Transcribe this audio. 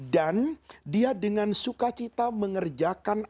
dan dia dengan sukacita mengerjakan